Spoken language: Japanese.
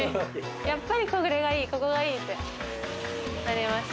やっぱりここがいいってなりました。